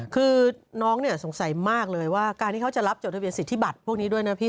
คือน้องเนี่ยสงสัยมากเลยว่าการที่เขาจะรับจดทะเบียสิทธิบัตรพวกนี้ด้วยนะพี่